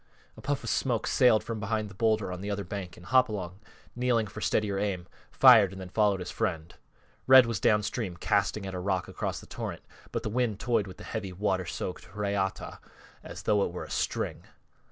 A puff of smoke sailed from behind the bowlder on the other bank and Hopalong, kneeling for steadier aim, fired and then followed his friend. Red was downstream casting at a rock across the torrent but the wind toyed with the heavy, water soaked reata as though it were a string.